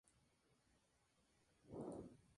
Es presidente del Partido Socialdemócrata.